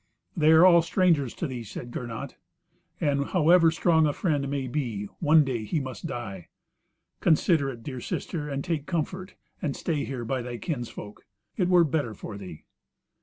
"They are all strangers to thee," said Gernot, "and however strong a friend may be, one day he must die. Consider it, dear sister, and take comfort and stay here by thy kinsfolk. It were better for thee."